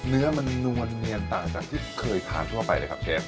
เนื้อมันนวลเนียนต่างจากที่เคยทานทั่วไปเลยครับเชฟ